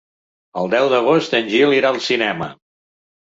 El deu d'agost en Gil irà al cinema.